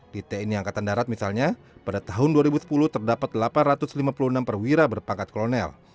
di tni angkatan darat misalnya pada tahun dua ribu sepuluh terdapat delapan ratus lima puluh enam perwira berpangkat kolonel